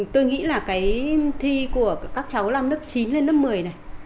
tôi nghĩ là cái thi của các cháu năm lớp chín lên lớp một mươi này